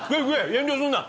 遠慮すんな。